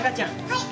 はい。